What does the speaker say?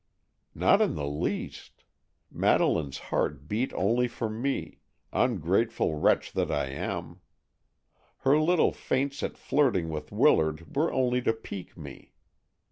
"Not in the least. Madeleine's heart beat only for me, ungrateful wretch that I am. Her little feints at flirting with Willard were only to pique me.